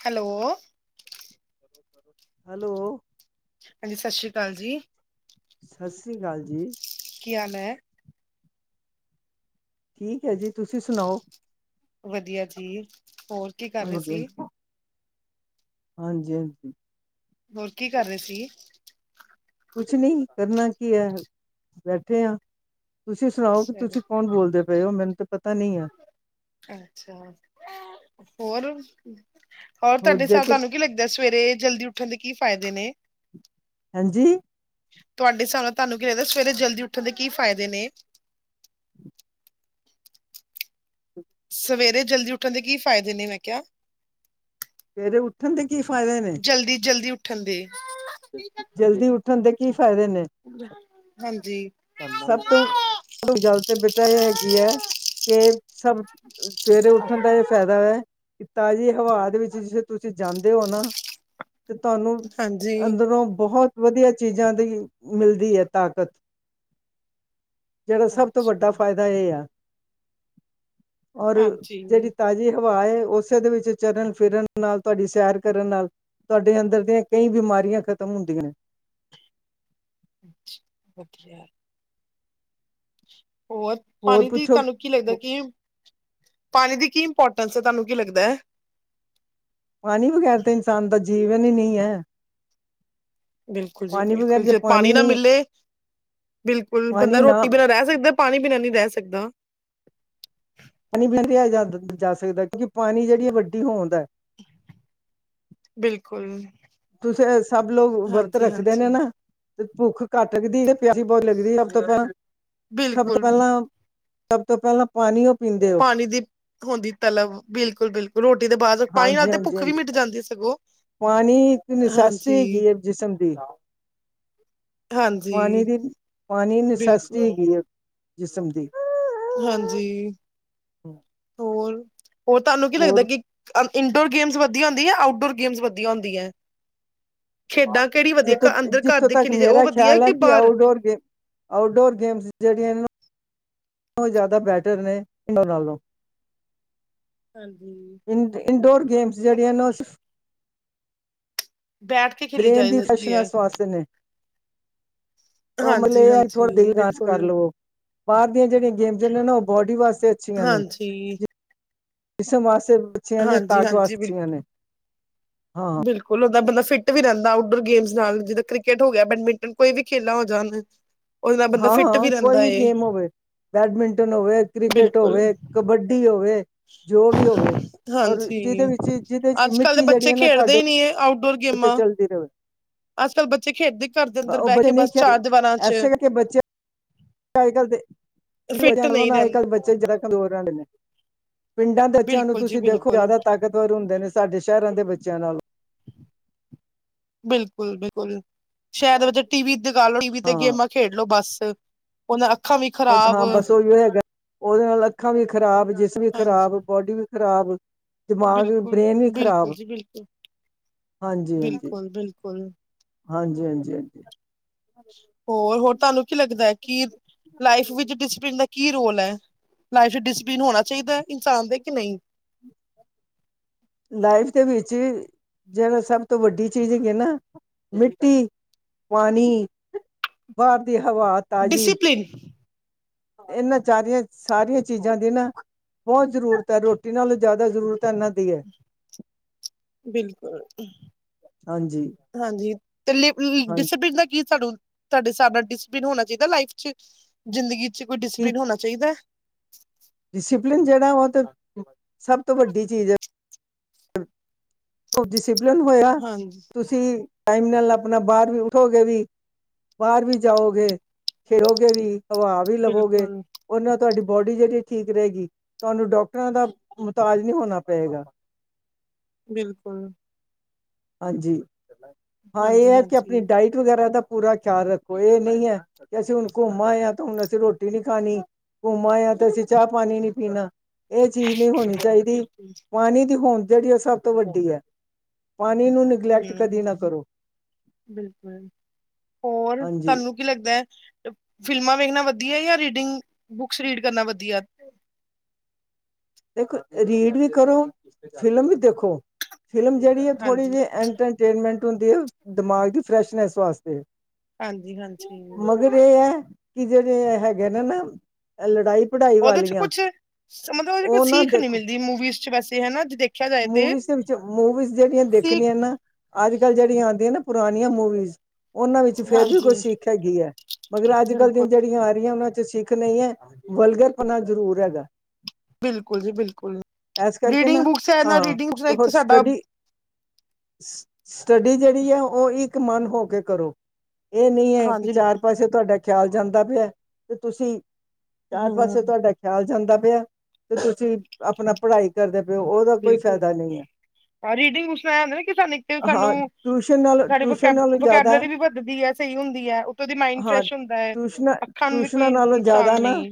Hello hello hello. ਹਾਂਜੀ ਸਸ਼੍ਰੀ ਕਾਲ ਜੀ। ਸਸ੍ਰੀ ਕਾਲ ਜੀ। ਕੀ ਹਾਲ ਐ? ਠੀਕ ਹੈ ਜੀ ਤੁਸੀਂ ਸੁਣਾਓ। ਵਧੀਆ ਜੀ, ਹੋਰ ਕੀ ਕਰ ਰਹੇ ਸੀ। ਹਾਂਜੀ-ਹਾਂਜੀ ਹੋਰ ਕੀ ਕਰ ਰਹੇ ਸੀ ਕੁਛ ਨੀ, ਕਰਨਾ ਕੀ ਹੈ, ਬੈਠੇ ਆਂ ਤੁਸੀਂ ਸੁਣਾਓ ਵੀ, ਚਲੋ ਤੁਸੀਂ ਕੌਣ ਬੋਲਦੇ ਪਏ ਹੋ ਮੈਨੂੰ ਤਾਂ ਪਤਾ ਨਹੀਂ ਆ ਅੱਛਾ, ਹੋਰ ਹੋਰ ਤੁਹਾਡੇ ਜੇ ਹਿਸਾਬ, ਕੋਈ ਤੁਹਾਨੂੰ ਕੀ ਲੱਗਦਾ ਸਵੇਰੇ ਜਲਦੀ ਉੱਠਣ ਦੇ ਕੀ ਫਾਇਦੇ ਨੇ ਹਾਂਜੀ ਤੁਹਾਡੇ ਹਿਸਾਬ ਨਾਲ ਤੁਹਾਨੂੰ ਕੀ ਲਗਦਾ ਸਵੇਰੇ ਜਲਦੀ ਉੱਠਣ ਦੇ ਕੀ ਫਾਇਦੇ ਨੇ ਸਵੇਰੇ ਜਲਦੀ ਉੱਠਣ ਦੇ ਕੀ ਫਾਇਦੇ ਨੇ, ਮੈਂ ਕਿਹਾ ਸਵੇਰੇ ਉੱਠਣ ਦੇ ਕੀ ਫਾਇਦੇ ਨੇ ਜਲਦੀ, ਜਲਦੀ ਉੱਠਣ ਦੇ ਜਲਦੀ ਉੱਠਣ ਦੇ ਕੀ ਫ਼ਾਇਦੇ ਨੇ ਹਾਂਜੀ ਸਭ ਤੋਂ ਵੱਡੀ ਗੱਲ ਤੇ ਬੇਟਾ ਇਹ ਹੈਗੀ ਹੈ, ਕਿ ਸਭ। ਸਵੇਰੇ ਉੱਠਣ ਦਾ ਇਹ ਫ ਫਾਇਦਾ ਹੈ, ਕਿ ਤਾਜ਼ੀ ਹਵਾ ਦੇ ਵਿੱਚ ਜਦੋਂ ਤੁਸੀਂ ਜਾਂਦੇ ਹੋ ਨਾ ਤੇ ਤੁਹਾਨੂੰ, ਹਾਂਜੀ ਅੰਦਰੋਂ ਬਹੁਤ ਵਧੀਆ ਚੀਜ਼ਾਂ ਦੀ, ਮਿਲਦੀ ਹੈ ਤਾਕਤ ਜਿਹੜਾ ਸਭ ਤੋਂ ਵੱਡਾ ਅੱਛਾ ਫਾਇਦਾ ਇਹ ਆ ਔਰ, ਹਾਂਜੀ, ਜਿਹੜੀ ਤਾਜ਼ੀ ਹਵਾ ਏ ਉਸੇ ਦੇ ਵਿੱਚ ਚਲਨ- ਫਿਰਨ ਨਾਲ ਤੁਹਾਡੀ ਸੈਰ ਕਰਨ ਨਾਲ ਤੁਹਾਡੇ ਅੰਦਰ ਦੀਆਂ ਕਈ ਬਿਮਾਰੀਆਂ ਖ਼ਤਮ ਹੁੰਦੀਆਂ ਏਂ ਅੱਛਾ ਵਧੀਆ ਹੋਰ, ਹੋਰ ਪਾਣੀ ਦੀ ਪੁੱਛੋ ਤੁਹਾਨੂੰ ਕੀ ਲੱਗਦਾ ਕਿ, ਪਾਣੀ ਦੀ ਕੀ ਇੰਪੋਰਟੈਂਸ ਹੈ, ਤੁਹਾਨੂੰ ਕੀ ਲੱਗਦਾ ਪਾਣੀ ਵਗੈਰ ਤਾਂ ਇਨਸਾਨ ਦਾ ਜੀਵਨ ਹੀ ਨਹੀਂ ਐ ਬਿਲਕੁਲ ਜੀ ਬਿਲਕੁਲ, ਜੇ ਪਾਣੀ ਨਾ ਮਿਲੇ, ਬਿਲਕੁਲ, ਪਾਣੀ ਬੰਦਾ ਨਾ ਰੋਟੀ ਬਿਨਾ ਰਹਿ ਸਕਦਾ-' ਪਾਣੀ ਬਿਨਾ ਨੀ ਰਹਿ ਸਕਦਾ ਪਾਣੀ ਬਿਨਾਂ ਨਹੀ ਰਿਹਾ ਜਾ ਸਕਦਾ, ਕਿਉਂਕਿ ਪਾਣੀ ਜਿਹੜੀ ਹੈ ਵੱਡੀ ਹੋੋਂਦ ਆ ਬਿਲਕੁਲ ਤੇ ਚਾਹੇ ਸਭ ਲੋਕ ਵਰਤ ਹਾਂਜੀ ਰੱਖਦੇ ਨੇ ਹਾਂਜੀ ਨਾ, ਤੇ ਭੁੱਖ ਘੱਟ ਲੱਗਦੀ ਐ ਪਿਆਸ ਬਹੁਤ ਲੱਗਦੀ ਸਭ ਤੋਂ ਪਹਿਲਾਂ, ਸਭ ਤੋਂ ਬਿਲਕੁਲ ਪਹਿਲਾਂ ਸਭ ਤੋਂ ਪਹਿਲਾਂ ਪਾਣੀ ਉਹ ਪੀਂਦੇ ਹੋ ਪਾਣੀ ਦੀ ਹੁੰਦੀ ਤਲਬ, ਬਿਲਕੁਲ- ਬਿਲਕੁਲ ਰੋਟੀ ਦੇ ਬਾਅਦ ਪਾਣੀ ਨਾਲ ਹਾਂਜੀ ਤੇ ਹਾਂਜੀ ਭੁੱਖ ਵੀ ਹਾਂਜੀ ਮਿਟ ਜਾਂਦੀ ਸਗੋਂ ਪਾਣੀ ਇੱਕ ਨਸੈਸ ਹਾਂਜੀ ਹੈਗੀ ਹੈ ਜਿਸਮ ਦੀ ਹਾਂਜੀ ਪਾਣੀ ਦੀ ਪਾਣੀ ਨਸੈਸਿਟੀ ਬਿਲਕੁਲ ਹੈਗੀ ਹੈ ਜਿਸਮ ਦੀ ਹਾਂਜੀ ਹੋਰ, ਹੋਰ ਤੁਹਾਨੂੰ ਕੀ ਲੱਗਦਾ ਹੋਰ ਕਿ ਇੰਨਡੋਰ ਗੇਮਸ ਵਧੀਆ ਹੁੰਦੀ ਹੈ, ਆਊਟਡੋਰ ਗੇਮਸ ਵਧੀਆ ਹੁੰਦੀ ਹੈ ਖੇਡਾਂ ਕਿਹੜੀ ਵਧੀਆ ਜਿੱਥੋਂ, ਘ ਅੰਦਰ ਘਰ ਜਿੱਥੋਂ ਦੇ ਤੱਕ ਖੇਲੀ ਜਾਏ ਉਹ ਮੇਰਾ ਵਧੀਆ ਖਿਆਲ ਹੈ ਕਿ ਬਾਹਰ ਆਊਟਡੋਰ ਗੇ। ਆਊਟਡੋਰ ਗੇਮਸ ਜਿਹੜੀਆਂ ਇੰਨਾ ਨੂੰ ਉਹ ਜ਼ਿਆਦਾ ਬੈਟਰ ਨੇ, ਇੰਨਾ ਨਾਲੋਂ ਹਾਂਜੀ ਇ ਇੰਡੋਰ ਗੇਮਸ ਜਿਹੜੀਆਂ ਨੂੰ ਸਫ। ਬੈਟ ਬ੍ਰਰੇਨ ਦੀ ਫੈ੍ਸ਼ਨਾਂਸ ਸੁਆਸ ਨੇ ਉਹ ਮਤਲਬ ਹਾਂਜੀ ਇਹ ਹੈ ਥੋੜਾ ਹਾਂਜੀ ਦਿਲ ਗਾਰਸ ਬਿਲਕੁਲ ਕਰ ਲੋ ਬਾਹਰ ਦੀਆਂ ਜਿਹੜੀਆਂ ਗੇਮਸ ਨੇ ਨਾ, ਉਹ ਬੋਡੀ ਵਾਸਤੇ ਅੱਛੀਆਂ ਨੇ ਹਾਂਜੀ ਜਿ ਇਸ ਵਾਸੇ ਬੱਚੀਆਂ ਨੇ ਹਾਂਜੀ ਤਾਤ ਹਾਂਜੀ ਬਿਲ ਵਾਸੀਆਂ ਨੇ ਹਾਂ ਬਿਲਕੁਲ ਹੁੰਦਾ, ਬੰਦਾ ਫਿੱਟ ਵੀ ਰਹਿੰਦਾ ਆਊਟਡੋਰ ਗੇਮ ਨਾਲ, ਜਿੱਦਾਂ ਕ੍ਰਿਕੇਟ ਹੋ ਗਿਆ ਬੈਡਮਿੰਟਨ ਕੋਈ ਵੀ ਖੇਲਾ ਹੋ ਜਾਣ [inaudible] ਹਾਂ ਫਿੱਟ ਹਾਂ ਕੋਈ ਰਹਿੰਦਾ ਵੀ ਏ ਗੇਮ ਹੋਵੇ। ਬੈਡਮਿੰਟਨ ਹੋਵੇ, ਕ੍ਰਿਕਟ ਬਿਲਕੁਲ ਹੋਵੇ, ਕਬੱਡੀ ਹੋਵੇ। ਜੋ ਵੀ ਹੋਵੇ ਔਰ ਜਿਹਦੇ ਹਾਂਜੀ ਵਿੱਚ ਜਿਹਦੇ ਵਿੱਚ ਮਿੱਟੀ ਜਿਹੜੀ ਹੈ ਨਾ ਤੁਹਾਡੇ ਨਹੀਂ ਏ ਆਊਟਡੋਰ ਗੇ ਕਿਤੇ ਚੱਲਦੀ ਰਹੇ। ਅੱਜ ਕੱਲ੍ਹ ਬੱਚੇ ਖੇਡਦੇ ਘਰ ਦੇ ਅੰਦਰ ਉਹ ਬਹਿ ਬੱਚੇ ਕੇ ਨਹੀਂ ਬਸ ਚਾਰ ਖੇਡਦੇ ਦੀਵਾਰਾਂ ਚ ਇਸੇ ਕਰਕੇ ਬੱਚੇ ਅੱਜ ਕੱਲ ਤੇ, ਫਿੱਟ ਜਾਣ ਲ ਨਹੀਂ ਨਾ ਅੱਜ ਰਹਿੰ ਕੱਲ ਬ [unintelligible] ਜਿਹੜ ਕੋਰ ਨੇ [unintelligible] ਪਿੰਡਾਂ ਦੇ ਬੱਚਿਆਂ ਨੂੰ ਬਿਲਕੁਲ ਜੀ ਤੁਸੀਂ ਦੇਖੋ ਬਿਲਕੁਲ ਜ਼ਿਆਦਾ ਤਾਕਤਵਰ ਹੁੰਦੇ ਨੇ ਸਾਡੇ ਸ਼ਹਿਰਾਂ ਦੇ ਬੱਚਿਆਂ ਨਾਲੋ ਬਿਲਕੁਲ -ਬਿਲਕੁਲ ਸ਼ਾਇਦ ਬ ਟੀ ਵੀ ਦਿਖਾ ਲੋ ਟੀਵ ਤੇ ਹਾਂ ਗੇਮਾਂ ਖੇਡਲੋ ਬੱਸ। ਔਹਨਾਂ ਅੱਖਾਂ ਵੀ ਬਸ ਹਾਂ ਬਸ ਔਹੀ ਹੈਗਾ ਉਹਦੇ ਨਾਲ ਅੱਖਾਂ ਵੀ ਖ਼ਰਾਬ ਜਿਸ ਵੀ ਹਾਂਜੀ ਖ਼ਰਾਬ ਬੋਡੀ ਵੀ ਖ਼ਰਾਬ ਦਿਮਾਗ ਬ੍ਰੇਨ ਵੀ ਬਿਲਕੁਲ- ਬਿਲਕੁਲ ਖ਼ਰਾਬ ਜੀ ਬਿਲਕੁਲ, ਬਿਲਕੁਲ -ਬਿਲਕੁਲ ਹਾਂਜੀ- ਹਾਂਜੀ -ਹਾਂਜੀ, ਹੋਰ ਹੋਰ ਤੁਹਾਨੂੰ ਕੀ ਲੱਗਦਾ ਹੈ ਕਿ ਲਾਈਫ ਵਿਚ ਡਿਸਪਲਨ ਦਾ ਕੀ ਰੋਲ ਹੈ। ਲਾਈਫ ਚ ਡਿਸ ਪਿਨ ਹੋਣਾ ਚਾਹੀਦਾ, ਇਨਸਾਨ ਦੇ ਕਿ ਨਹੀਂ। ਲਾਈਫ ਦੇ ਵਿੱਚ ਜਿਹੜਾ ਸਭ ਤੋਂ ਵੱਡੀ ਚੀਜ਼ ਹੈਗੀ ਨਾ ਮਿੱਟੀ, ਪਾਣੀ ਬਾਰ ਦੀ ਹਵਾ, ਤਾਜ਼ੀ ਡਿਸਪਲੀਨ, ਇਹਨਾਂ ਚਾਰੀਆਂ ਸਾਰੀਆਂ ਚੀਜ਼ਾਂ ਦੀ ਨਾ ਬੋਤ ਜ਼ਰੂਰਤ ਹੈ ਰੋਟੀ ਨਾਲੋਂ ਜ਼ਿਆਦਾ ਜ਼ਰੂਰਤ ਹੈ ਇਨਾਂ ਦੀ ਬਿਲਕੁਲ, ਏਹ- ਹਾਂਜੀ। ਹਾਂਜੀ ਤੇ ਲੀ ਲ ਹਾਂਜੀ ਡਿਸਪਲਿਨ ਦਾ ਕੀ ਸਾਨੂੰ ਤੁਹਾਡੇ ਹਿਸਾਬ ਨਾਲ ਡਿਸਪਲਿਨ ਹੋਣਾ ਚਾਹੀਦਾ ਲਾਈਫ ਚ ਜ਼ਿੰਦਗੀ ਚ ਕੋਈ ਡਿਸਿਪਲਿਨ ਹੋਣਾ ਚਾਹੀਦਾ ਹੈ। ਡਿਸਿਪਲਿਨ ਜਿਹੜਾ ਔਹ ਤੇ ਸਭ ਤੋਂ ਵੱਡੀ ਚੀਜ਼ ਹੈ। ਔ ਡਿਸਪਲਨ ਹੋਇਆ। ਹਾਂਜੀ ਤੁਸੀਂ ਟਾਈਮ ਨਾਲ ਆਪਣਾ ਬਾਹਰ ਵੀ ਉਠੋਗੇ ਵੀ ਬਾਹਰ ਵੀ ਜਾਓਗੇ ਫਿਰੋਗੇ ਵੀ ਹਵਾ ਵੀ ਲਵੋਗੇ- ਬਿਲਕੁਲ ਔਨਾ ਤੁਹਾਡੀ ਬੋਡੀ ਜਿਹੜੀ ਠੀਕ ਰਹੇਗੀ, ਤੁਹਾਨੂੰ ਡਾਕਟਰਾਂ ਦਾ ਮੁਤਾਜ ਨਹੀਂ ਹੋਣਾ ਪਏਗਾ। ਬਿਲਕੁਲ। ਹਾਂਜੀ, ਹਾਂ ਏ ਹਾਂਜੀ ਐ ਕਿ ਅਪਣੀ ਹਾਂਜੀ ਡਾਇਟ। ਟੀ ਵਗੈਰਾ ਦਾ ਪੂਰਾ ਖਿਆਲ ਰੱਖੋ ਏ ਨਈ ਐ, ਕਿ ਅਸੀਂ ਹੁਣ ਘੁੰਮ ਆਏ ਆ ਤੇ ਅਸੀਂ ਹੁਣ ਰੋਟੀ ਨਈਂ ਖਾਣੀ। ਘੁੰਮ ਆਏ ਆਂ, ਤੇ ਅਸੀਂ ਚਾ ਪਾਣੀ ਨੀਂ ਪੀਣਾ। ਏ ਚੀਜ ਨੀਂ ਹੋਣੀ ਚਾਈਦੀ, ਬਿਲਕੁਲ ਪਾਣੀ ਦੀ ਹੋਂਦ ਜੇੜੀ ਔ ਸਭ ਤੋਂ ਵੱਡੀ ਐ। ਪਾਣੀ ਨੂੰ ਹਮ, ਕਰੋ ਬਿਲਕੁਲ, ਹੋਰ ਹਾਂਜੀ ਤਾਨੂੰ ਕੀ ਲੱਗਦਾ? ਫਿਲਮਾਂ ਵੇਖਣਾ ਵੱਧੀਆ ਯਾਂ ਰੀਡਿੰਗ, ਬੁਕਸ ਰੀਡ ਕਰਨਾ ਵੱਧੀਆ? ਦੇਖੋ ਰੀਡ ਵੀ ਕਰੋ, ਫਿਲਮ ਵੀ ਦੇਖੋ, ਫਿਲਮ ਜਹੜੀ ਹੈ ਥੋੜ੍ਹੀ ਹਾਂਜੀ ਜਿਹੀ ਐਂਟਰ ਟੇਨਮੈਂਟ ਹੁੰਦੀ ਹੈ ਦਿਮਾਗ ਦੀ ਫਰੈਸ਼ਨੈਸ ਵਾਸਤੇ। ਹਾਂਜੀ - ਹਾਂਜੀ ਈਈਈ ਤੇ ਇਹ ਹੈ ਕਿ ਜਿਹੜੇ ਹੈਗੇ ਨੇ ਨਾ ਲੜਾਈ ਪੜਾਈ ਵਾਲੀਆਂ। ਸਮਝੋ ੲੈਵੇ ਕੋਈ ਉਹ ਨਾ ਸੀਖ ਨੀ ਦੇਖੋ ਮਿਲਦੀ ਮੂਵੀਜ਼ ਚ ਵੈਸੇ ਹਨਾ ਜੇ ਦੇਖਿਆ ਜਾਏ ਤੇ ਮੂਵੀਜ਼ ਦੇ ਵਿੱਚ ਮੂਵੀਜ਼ ਜਿਹੜੀਆਂ ਸੀਖ ਦੇਖਣੀਆਂ ਨੇ ਅੱਜ ਕੱਲ ਜਿਹੜੀਆਂ ਆਉਂਦੀਆਂ ਨਾ ਪੁਰਾਣੀਆਂ ਮੂਵੀਜ਼ ਔਹਨਾਂ ਵਿੱਚ ਫੇਰ ਵੀ ਹਾਂਜੀ ਕੁਛ ਸਿੱਖ ਹੈਗੀ ਹੈ ਮਗਰ ਅੱਜ ਕੱਲ੍ਹ ਬਿਲਕੁਲ ਦੀ ਜਿਹੜੀਆਂ ਆ ਰਹੀਆਂ ਔਹਨਾਂ ਚ ਸਿੱਖ ਨਹੀਂ ਹੈ, ਵਲਗਰਪੁਣਾ ਜ਼ਰੂਰ ਹੈਗਾ। ਬਿਲਕੁਲ ਜੀ ਬਿਲਕੁਲ ਇਸ ਜੀ ਕਰਕੇ ਰੀਡਿੰਗ ਨਾ ਬੁੱਕਸ ਹੈ, ਹਾਂ ਰੀਡਿੰਗ ਬ ਇੱਕ ਸਾਡਾ ਸ ਸ ਸਟੱਡੀ ਜਿਹੜੀ ਹੈ ਔਹ ਇੱਕ ਮਨ ਹੋ ਕੇ ਕਰੋ। ਇਹ ਨਹੀਂ ਹੈ ਕਿ ਹਾਂਜੀ ਚਾਰ ਪਾਸੇ ਤੁਹਾਡਾ ਖਿਆਲ ਜਾਂਦਾ ਪਿਆ ਤੇ ਤੁਸੀਂ ਚਾਰ ਪਾਸੇ ਹਮ ਤੁਹਾਡਾ ਖਿਆਲ ਜਾਂਦਾ ਪਿਆ, ਤੇ ਤੁਸੀਂ ਆਪਣਾ ਪੜ੍ਹਾਈ ਕਰਦੇ ਪਏਓ ਉਹਦਾ ਕੋਈ ਬਿਲਕੁਲ ਫਾਇਦਾ ਨਹੀਂ ਐ ਰੀਡਿੰਗ ਸੁਣਾਇਆ ਜਾਂਦਾ ਨਾ ਕਿ ਸਾਨੂੰ ਇੱਕ ਸਾਨੂੰ ਹਾਂ ਟਿਊਸ਼ਨ ਨਾਲ ਸਾਡੀ ਵ ਟਿਊਸ਼ਨ ਨਾਲੋਂ ਜ਼ਿਆਦਾ ਵਕੈਬਲਰੀ ਵੀ ਵੱਧਦੀ ਐ ਸਈ ਹੁੰਦੀ ਐ, ਉੱਤੋਂ ਦੀ ਮਾਇੰਡ ਹਾਂ ਫਰੈਸ਼ ਹੁੰਦਾ ਐ, ਟਿਊਸ਼ਨਾਂ ਅੱਖਾਂ ਨੂੰ ਵੀ ਕੋਈ ਟਿਊਸ਼ਨਾਂ ਨਾਲੋਂ ਜ਼ਿਆਦਾ ਨੁਕਸਾਨ ਨਾ ਨਈਂ।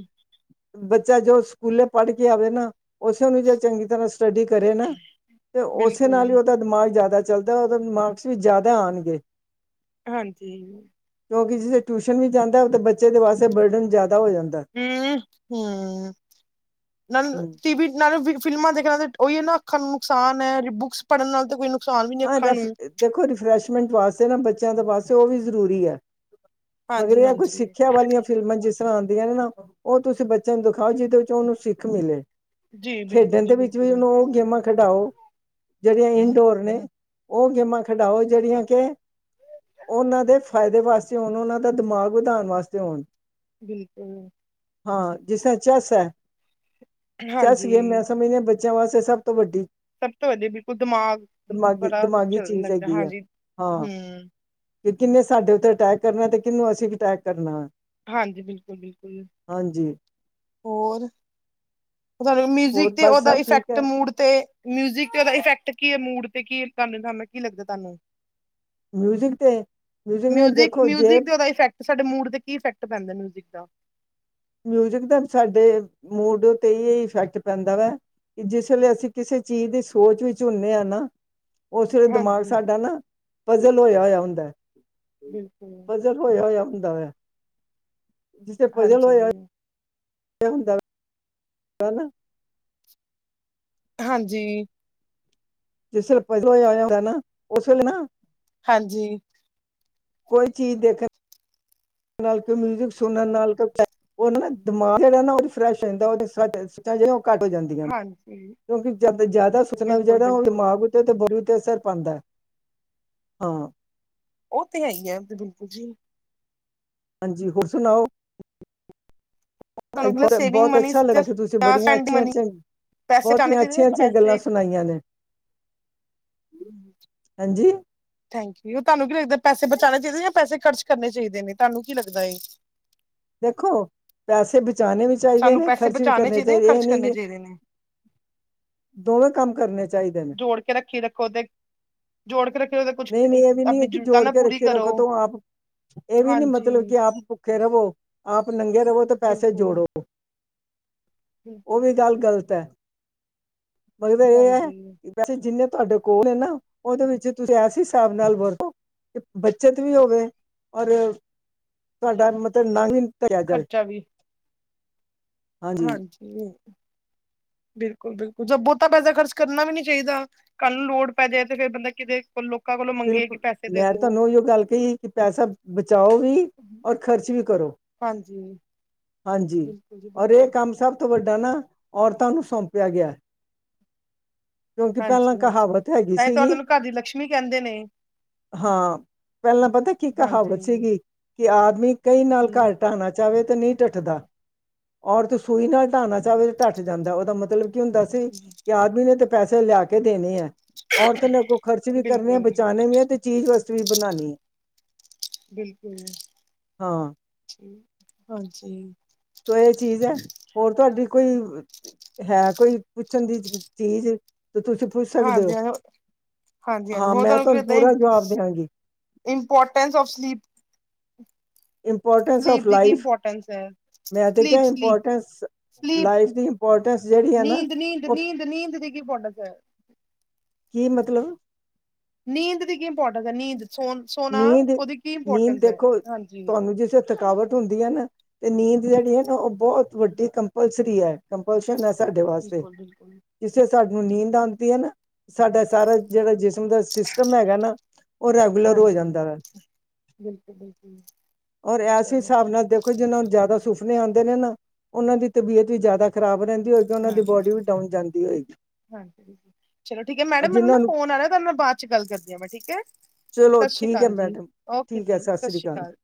ਬੱਚਾ ਜੋ ਸਕੂਲੇ ਪੜ੍ਹ ਕੇ ਆਵੇ ਨਾ, ਓਸੇ ਨੂੰ ਜੇ ਚੰਗੀ ਤਰਾਂ ਸਟੱਡੀ ਕਰੇ ਨਾ, ਤੇ ਓਸੇ ਬਿਲਕੁਲ ਨਾਲ ਈ ਓੱਦਾ ਦਿਮਾਗ ਜਾਅਦਾ ਚੱਲਦਾ, ਓੱਦਾ ਮਾਕਸ ਵੀ ਜਾਅਦਾ ਆਣਗੇ। ਹਾਂਜੀ। ਕਿਓਂਕਿ ਜੇ ਟਿਊਸ਼ਨ ਵੀ ਜਾਂਦਾ ਹਉ, ਤੇ ਬੱਚੇ ਦੇ ਵਾਸਤੇ ਬਡਨ ਜਾਅਦਾ ਹੋ ਜਾਂਦਾ। ਹੂੰ ਹੂੰ, ਨਲ ਹਮ ਟੀ ਫਿਲਮਾਂ ਦੇਖਣਾ ਟ ਉਈ ਐ ਨਾ ਅੱਖਾਂ ਨੂੰ ਨੁਕਸਾਨ ਐ, ਬੁੱਕਸ ਪੜ੍ਹਨ ਨਾਲ ਤੇ ਕੋਈ ਨੁਕ ਆਂ‌ ਏ ਰੈਫ, ਦੇਖੋ ਰਿਫਰੈਸ਼ਮੈਂਟ ਵਾਸਤੇ ਨਾ ਬੱਚਿਆਂ ਦੇ ਵਾਸਤੇ ਓ ਵੀ ਜ਼ਰੂਰੀ ਐ। ਮਗਰ ਹਾਂਜੀ ਏ‌ ਐ ਕੁਛ ਹਾਂਜੀ ਸਿੱਖਿਆ ਵਾਲੀਆਂ ਫਿ ਫਿਲਮਾਂ ਜਿਸ ਤਰ੍ਹਾਂ ਆਂਦੀਆਂ ਨੇ ਨਾਂ, ਓ ਤੁਸੀਂ ਬੱਚਿਆਂ ਨੂੰ ਦਿਖਾਓ ਜਿਦੇ ਵਿੱਚ ਉਨੂੰ ਸਿੱਖ ਮਿਲੇ। ਜੀ ਬਿਲਕੁਲ ਖੇਡਣ ਜੀ ਦੇ ਵਿੱਚ ਵੀ ਬਿਲਕੁਲ ਉਨੂੰ ਓ ਗੇਮਾਂ ਖਡਾਓ, ਜੇੜੀਆਂ ਇੰਨਡੋਰ ਨੇ। ਓ ਗੇਮਾਂ ਖਡਾਓ ਜੇੜੀਆਂ ਕੇ ਓਨਾਂ ਦੇ ਫਾਇਦੇ ਵਾਸਤੇ ਹੋਣ, ਓਨਾਂ ਦਾ ਦਮਾਗ ਵਧਾਣ ਵਾਸਤੇ ਹੋਣ। ਬਿਲਕੁਲ। ਹਾਂ, ਜੈਸੇ ਏ ਚੈੱਸ ਐ, ਚੈੱਸ ਹਾਂਜੀ ਗੇਮ ਮੈਂ ਸਮਝਦੀ ਆਂ ਬ ਬੱਚਿਆਂ ਵਾਸਤੇ ਸਭ ਤੋਂ ਵੱਡੀ ਸਭ ਤੋਂ ਵਧੀਆ ਬਿਲਕੁਲ ਦਮਾਗ, ਦਿਮਾਗੀ ਬਰਾ ਦਿਮਾਗੀ ਚਲਣ ਚੀਜ਼ ਲੱਗਦਾ ਐ ਹਾਂਜੀ, ਹਮ੍ਹ। ਕੀ ਕਿੰਨੇ ਸਾਡੇ ਉੱਤੇ ਅਟੈਕ ਕਰਨਾ ਤੇ ਕਿਨੂੰ ਅਸੀਂ ਵੀ ਅਟੈਕ ਕਰਨਾ? ਹਾਂਜੀ ਬਿਲਕੁਲ ਬਿਲਕੁਲ। ਹਾਂਜੀ। ਹੋਰ? ਚਾਅ ਨੂੰ ਹੋਰ ਮਿਊਜ਼ਕ 'ਤੇ ਬਸ ਓੱਦਾ ਸਭ ਠੀਕ ਇਫੈਕਟ ਹੈ ਮੋਡ 'ਤੇ ਮਿਊਜ਼ਕ ਤੇ ਓਦਾ ਇਫੈਕਟ ਕੀ ਐ ਮੂਡ ਤੇ, ਕੀ ਤਾਅ ਡੇ ਕੀ ਲੱਗਦਾ ਤਾਅ ਨੂੰ? ਮਿਊਜਿਕ ਤੇ ਮਿਊਜਿਕ ਨੇ ਮਿਊਜ਼ਕ, ਦੇਖੋ ਜੇ ਮਿਊਜ਼ਕ ਤੇ ਓਦਾ ਇਫੈਕਟ ਤੇ ਸਾਡੇ ਮੂਡ ਤੇ ਕੀ ਇਫੈਕਟ ਪੈਂਦਾ ਮਿਊਜ਼ਿਕ ਦਾ? ਮਿਊਜ਼ਕ ਦਾ ਸਾਡੇ, ਮੂਡ ਤੇਈ‌ ਇਫੈਕਟ ਪੈਂਦਾ ਵੈ। ਕਿ ਜਿਸ ਵੇਲੇ ਅਸੀਂ ਕਿਸੇ ਚੀਜ ਦੀ ਸੋਚ ਵਿੱਚ ਹੁੰਨੇ ਆਂ ਨਾਂ ਓਸ ਵੇਲੇ ਦਮਾਗ ਹਾਂਜੀ ਸਾਡਾ ਨਾ, ਪਜ਼ਲ ਹੋਏਆ ਹੋਏਆ ਹੁੰਦਾ ਐ। ਬਿਲਕੁਲ। ਲ ਹੋਆ ਹੋਇਆ ਹੁੰਦਾ ਹੋਆ ਜਿੱਥੇ ਪਜਲ ਹਾਂਜੀ ਹੋਏ ਹੋਆ ਹੁੰਦਾ। ਹ ਨਾ। ਹਾਂਜੀ। ਜਿਸ ਵੇਲੇ [unintelligible] ਹੋਇਆ ਹੁੰਦਾ ਨਾ ਉਸ ਵੇਲੇ ਨਾ ਹਾਂਜੀ। ਕੋਈ ਚੀਜ਼ ਦੇਖਣ ਨਾਲ ਕੋਈ ਮਿਊਜ਼ਕ ਸੁਣਨ ਨਾਲ ਕੋ, ਓਨਾ ਦਮਾਗ ਜੇੜਾ ਨਾ, ਓ ਫਰੈਸ਼ ਰੈਂਦਾ ਓ ਜਿਸ ਤਰਾਂ ਟੈਂਸ ਚਲ ਜੇੜੇ ਓ ਘੱਟ ਹੋ ਜਾਂਦੀਆਂ ਨੇ, ਹਾਂਜੀ ਕਿਉਂਕਿ ਜੱਦ ਜਾਅਦਾ ਸੋਚਣਾ ਵੀ ਬਿਲਕੁਲ ਜੇੜਾ ਓ ਬਿਲਕੁਲ ਦਿਮਾਗ ਤੇ ਬੋਰੂ ਤੇ ਅਸਰ ਪਾਂਦਾ ਐ, ਹਾਂ। ਓ ਤੇ ਹੈ ਈ ਐ, ਬਿਲਕੁਲ ਜੀ। ਹਾਂਜੀ, ਹੋਰ ਸੁਣਾਓ? ਅੱਜ ਤੁਹਾਨੂੰ ਕਿ ਬੌਤ, ਸੇਵਿੰਗ ਬੌਤ ਮਨੀ ਅੱਛਾ ਲੱਗਾ ਕਿ ਤੁਸੀਂ ਬੜੀਆਂ ਜਸਟ ਅੱਛੀਆਂ ਮਨੀ ਅੱਛੀਆਂ ਪੈਸੇ ਬੌਤ ਬਚਾਉਣੇ ਈ ਚਾਹੀਦੇ ਨੇ, ਅੱਛੀਆਂ ਅੱਛੀਆਂ ਗੱਲਾਂ ਪੈਸੇ ਸੁਣਾਈਆਂ ਨੇ। ਹਾਂਜੀ? ਥੈਂਕ ਯੂ, ਤਾਅਨੂੰ ਕੀ ਲੱਗਦਾ ਪੈੇਸੇ ਬਚਾਣੇ ਚਈਦੇ ਜਾਂ ਪੈੇਸੇ ਖਰਚ‌ ਕਰਨੇ ਚਈਦੇ ਨੇ, ਤਾਅਨੂੰ ਕੀ ਲੱਗਦਾ ਏ? ਦੇਖੋ, ਪੈਸੇ ਬਚਾਣੇ ਵੀ ਚਾਈਦੇ ਸਾਨੂੰ ਨੇ ਪੈਸੇ ਖਰਚ ਵੀ ਬਚਾਉਣੇ ਕਰਨੇ ਚਾਹੀਦੇ ਜਾਂ ਚਾਈਦੇ ਏ ਖਰਚ ਨੀਂ ਕਰਨੇ ਕੇ ਚਾਹੀਦੇ ਨੇ ਦੋਵੇਂ ਕੰਮ ਕਰਨੇ ਚਾਈਦੇ ਨੇ। ਜੋੜ ਕੇ ਰੱਖੀ ਰੱਖੋ ਤੇ ਜੋੜ ਕੇ ਰੱਖੇ ਉਹਦੇ ਕੁਛ ਨਈਂ ਨਈਂ ਏ ਵੀ ਨੀਂ ਐ ਆਪਣੀ ਕਿ ਜ਼ਰੂਰਤਾਂ ਜੋੜ ਨਾ ਕੇ ਪੂਰੀ ਰੱਖੇ ਕਰੋ ਰੱਖੋ ਤੋਂ ਆਪ ਏ ਵੀ ਨਈ, ਹਾਂਜੀ ਮਤਲਬ ਕਿ, ਆਪ ਭੁੱਖੇ ਰਵੋ, ਆਪ ਨੰਗੇ ਰਵੋ, ਤੇ ਪੈਸੇ ਬਿਲਕੁਲ ਜੋੜੋ। ਬਿਲਕੁਲ ਓ ਵੀ, ਗੱਲ ਬਿਲਕੁਲ ਗ਼ਲਤ ਐ। ਪਰ ਏ ਆ ਹਾਂਜੀ ਪੈਸੇ ਜਿੰਨੇ ਤੁਹਾਡੇ ਕੋਲ ਨੇ ਨਾ, ਉਹਦੇ ਵਿੱਚ ਤੁਸੀਂ ਐਸੇ ਹਿਸਾਬ ਨਾਲ ਵਰਤੋ ਬੱਚਤ ਵੀ ਹੋਵੇ, ਔਰ ਤੁਹਾਡਾ ਮਤਲਬ ਨਵੀ ਖ਼ਰਚਾ ਵੀ ਹਾਂਜੀ, ਬਿਲਕੁਲ -ਬਿਲਕੁਲ ਜ ਬਹੁਤਾ ਪੈਸਾ, ਖਰਚ ਕਰਨਾ ਵੀ ਨੀ ਚਾਹੀਦਾ। ਕੱਲ੍ਹ ਨੂੰ ਲੋੜ, ਪੈਦੀ ਜਾਏ ਤੇ ਫੇਰ ਬੰਦਾ ਕਿਤੇ ਕੋਲੋਂ ਮੰਗੇ ਕਿ ਬਿਲਕੁਲ, ਪੈਸੇ ਦੇ ਮੈਂ ਦੋ ਤੁਹਾਨੂੰ ਇ ਗੱਲ ਕਹੀ ਕਿ ਪੈਸਾ, ਬਚਾਓ ਵੀ ਔਰ ਖ਼ਰਚ ਵੀ ਕਰੋ। ਹਾਂਜੀ, ਬਿਲਕੁਲ, ਜੀ ਬਿਲਕੁਲ। ਸੱਭ ਤੋਂ ਵੱਡਾ ਨਾ, ਔਰਤਾਂ ਨੂੰ ਸੌਂਪਿਆ ਗਿਆ। ਕਿਉਂਕਿ, ਪਹਿਲਾਂ ਹਾਂਜੀ ਹਾਂਜੀ ਕਹਾਵਤ ਹੈਗੀ ਤਾਂ ਹੀ ਤੁਹਾਡੇ ਸੀਗੀ। ਨੂੰ ਘਰ ਦੀ ਲਕਸ਼ਮੀ ਕਹਿੰਦੇ ਨੇ ਹਾਂ ਪਹਿਲਾਂ ਪਤਾ, ਕੀ ਕਹਾਵਤ ਹਾਂਜੀ ਸੀਗੀ ਕਿ, ਆਦਮੀ ਕਈ ਨਾਲ ਜੀ ਘਰ ਟਾਣਾ ਚਾਹਵੇ ਤਾਂ ਨਹੀਂ ਟੱਠਦਾ ਔਰਤ ਸੂਈ ਨਾਲ ਟਾਣਾ ਚਾਹਵੇ ਤਾਂ ਟੱਠ ਜਾਂਦਾ ਉਹਦਾ ਮਤਲਬ ਕੀ ਹੁੰਦਾ ਸੀ ਕਿ, ਆਦਮੀ ਨੇ ਤੇ ਪੈਸੇ ਲਿਆ ਕੇ ਦੇਣੇ ਹੈ। ਔਰਤ ਨੇ ਅੱਗੋਂ, ਖਰਚ ਵੀ ਕਰਨੇ ਹੈ, ਬਿਲਕੁਲ ਬਚਾਉਣੇ ਵੀ ਹੈ, ਤੇ ਚੀਜ਼ ਵਸਤ ਵੀ ਬਣਾਉਣੀ ਹੈ। ਬਿਲਕੁਲ, ਹਾਂ ਹਾਂਜੀ। ਸੋ ਇਹ ਚੀਜ਼ ਏ ਹੋਰ ਤੁਹਾਡੀ ਕੋਈ ਹੈ, ਕੋਈ ਪੁੱਛਣ ਦੀ ਚੀਜ਼ ਤੇ ਤੁਸੀਂ? ਪੁੱਛ ਸਕਦੇ ਹੋ, ਹਾਂਜੀ ਹਾਂਜੀ ਹਾਂ ਹੋਰ ਮੈਂ ਤੁਹਾਨੂੰ ਪੂਰਾ ਜਵਾਬ ਦਿਆਂਗੀ। Importance of sleep importance sleep of ਦੀ ਕੀ ਲਾਈਫ, ਇੰਪੋਰਟੈਂਸ ਹੈ ਮੈਂ ਤਾਂ ਸਲੀਪ ਕਿਹਿਆ ਸਲੀਪ ਇੰਪੋਰਟੈਂਸ ਸਲੀਪ ਲਾਈਫ ਦੀ, ਇੰਪੋਰਟੈਂਸ ਜਿਹੜੀ ਹੈ ਨਾ, ਨੀਦ ਉਹ -ਨੀਦ ਦੀ ਕੀ ਇੰਪੋਟਰਸ ਪਡ ਸ ਕੀ ਮਤਲਬ ਨੀਂਦ ਦੀ ਕੀ ਇੰਪੋਰਟੈਂਸ ਹੈ, ਨੀਂਦ ਸੋ ਸੌਂਣਾ, ਨੀਂਦ ਉਹਦੀ ਕੀ ਨੀਂਦ ਇੰਪੋਰਟੈਂਸ ਹੈ ਦੇਖੋ ਹਾਂਜੀ, ਤੁਹਾਨੂੰ ਜਿਸੇ ਥਕਾਵਟ ਹੁੰਦੀ ਹੈ ਨਾ, ਤੇ ਨੀਂਦ ਜਿਹੜੀ ਹੈ ਨਾ, ਉਹ ਬਹੁਤ ਵੱਡੀ ਕੰਪਲਸਰੀ ਹੈ। ਕੰਪਸਲ ਹੈ ਸਾਡੇ ਵਾਸਤੇ, ਬਿਲਕੁਲ ਬਿਲਕੁਲ ਜਿੱਥੇ ਸਾਨੂੰ ਨੀਂਦ ਆਉਂਦੀ ਹੈ ਨਾ, ਸਾਡਾ ਸਾਰਾ, ਜਿਹੜਾ ਜਿਸਮ ਦਾ ਸਿਸਟਮ ਹੈਗਾ ਨਾ ਰ ਹਾਂਜੀ, ਬਿਲਕੁਲ- ਬਿਲਕੁਲ ਚਲੋ। ਜਿਨਾ ਨੂੰ, ਜ਼ਿਆਦਾ ਸੁਫਨੇ ਆਉਂਦੇ ਨੇ ਨਾ, ਉਹਨਾਂ ਦੀ ਤਬੀਅਤ ਵੀ ਜ਼ਿਆਦਾ ਖਰਾਬ, ਰਹਿੰਦੀ ਹੋਏਗੀ, ਉਹਨਾਂ ਦੀ ਬੋਡੀ ਵੀ ਹਾਂਜੀ ਡਾਊਨ ਜਾਂਦੀ ਹੋਏਗੀ ਹਾਂਜੀ, ਚਲੋ ਠੀਕ ਹੈ ਔਰ ਮੈਡਮ, ਮੈਨੂੰ ਨਾ ਜਿਹਨਾਂ ਨੂੰ ਫੋਨ ਆ ਰਿਹਾ ਨਾਲ, ਬਾਅਦ ਚ ਗੱਲ ਕਰਦੀ ਹਾਂ, ਮੈਂ ਠੀਕ ਐ। ਚਲੋ ਸਤਿ ਸ਼੍ਰੀ ਠੀਕ ਹੈ ਅਕਾਲ, ਜੀ ਮੈਡਮ ਓਕੇ ਠੀਕ ਹੈ ਜੀ, ਸਤਿ ਸ੍ਰੀ ਸ਼੍ਰੀ ਅਕਾਲ।